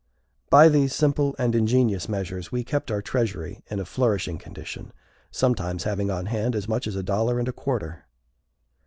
By these simple and ingenious measures we kept our treasury in a flourishing condition, sometimes having on hand as much as a dollar and a quarter.